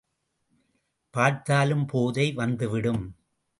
பார்த்தாலும் போதை வந்துவிடும்.